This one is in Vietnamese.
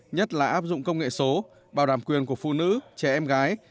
nhất là áp dụng công nghệ số bảo đảm quyền của phụ nữ trẻ em gái